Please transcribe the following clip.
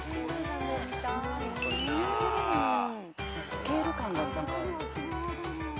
スケール感がさ。